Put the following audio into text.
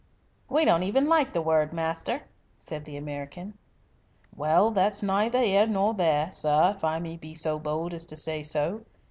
"We don't even like the word 'master,'" said the American. "Well, that's neither 'ere nor there, sir, if I may be so bold as to say so.